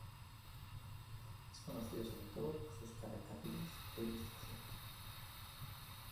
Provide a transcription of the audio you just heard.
Es conocido sobre todo por sus caricaturas e ilustraciones.